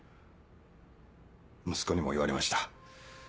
息子にも言われました。